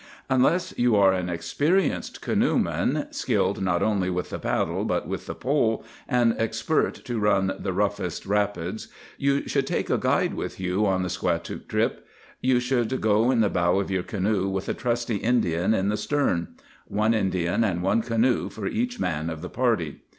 Unless you are an experienced canoeman, skilled not only with the paddle but with the pole, and expert to run the roughest rapids, you should take a guide with you on the Squatook trip. You should go in the bow of your canoe, with a trusty Indian in the stern; one Indian and one canoe for each man of the party.